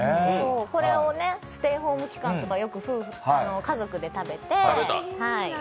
これをステイホーム期間とか、よく家族で食べて。